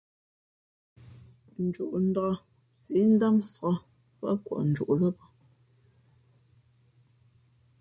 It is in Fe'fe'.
Njoʼndāk síʼ ndámsāk pάʼ kwαʼ njoʼ lά bᾱ.